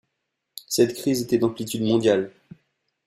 Cette crise était d'amplitude mondiale.